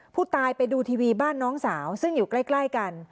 ไปดูทีวีบ้านน้องสาวซึ่งอยู่ใกล้กัน